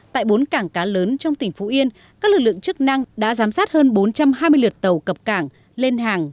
tại bốn cảng cá lớn trong tỉnh phú yên các lực lượng chức năng đã giám sát hơn bốn trăm hai mươi lượt tàu cập cảng lên hàng